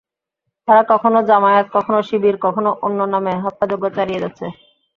তারা কখনো জামায়াত, কখনো শিবির, কখনো অন্য নামে হত্যাযজ্ঞ চালিয়ে যাচ্ছে।